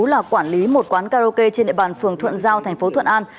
là quản lý một quán karaoke trên địa bàn phường thuận giao tp thuận an